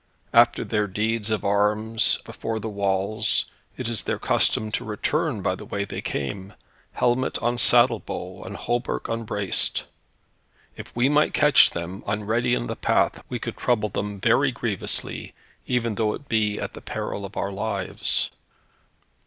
After their deeds of arms before the walls, it is their custom to return by the way they came, helmet on saddle bow, and hauberk unbraced. If we might catch them, unready in the path, we could trouble them very grievously, even though it be at the peril of our lives."